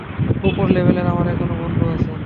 উপর লেভেলে আমার এখনো বন্ধু আছে।